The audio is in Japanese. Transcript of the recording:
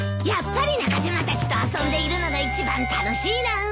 やっぱり中島たちと遊んでいるのが一番楽しいな。